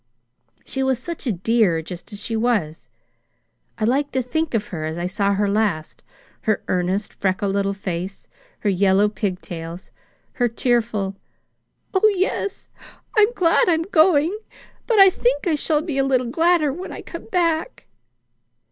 She was such a dear, just as she was. I like to think of her as I saw her last, her earnest, freckled little face, her yellow pigtails, her tearful: 'Oh, yes, I'm glad I'm going; but I think I shall be a little gladder when I come back.'